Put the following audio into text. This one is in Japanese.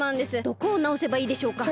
どこをなおせばいいでしょうか？